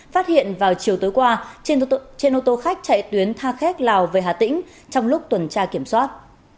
phát hiện vào chiều tối qua trên ô tô khách chạy tuyến tha khét lào về hà tĩnh trong lúc tuần tra kiểm soát